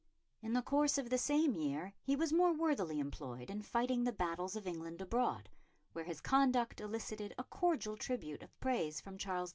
In the course of the same year he was more worthily employed in fighting the battles of England abroad, where his conduct elicited a cordial tribute of praise from Charles V.